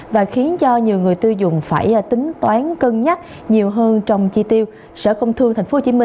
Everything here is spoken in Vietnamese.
và khiến cho nhiều người tiêu dùng phải tính toán cân nhắc nhiều hơn trong chi tiêu sở công thương tp hcm